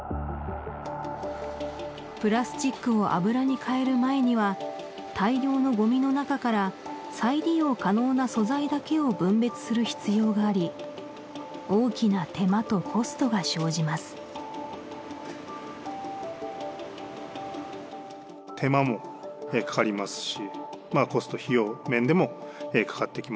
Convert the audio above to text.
プラスチックを油に変える前には大量のごみの中から再利用可能な素材だけを分別する必要があり大きな手間とコストが生じますだと思います